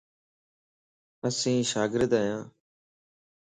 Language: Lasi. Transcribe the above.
اسين شاگرد آھيان.